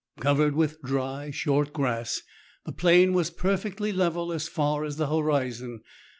Covered with dry, short grass, the plain was perfectly level as far as the horizon.